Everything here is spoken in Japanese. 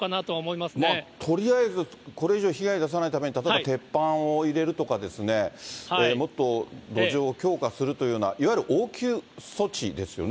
まあとりあえず、これ以上被害を出さないように、例えば鉄板を入れるとか、もっと土壌を強化するというような、いわゆる応急処置ですよね。